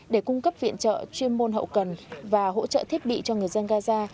để cung cấp viện trợ chuyên môn hậu cần và hỗ trợ thiết bị cho người dân gaza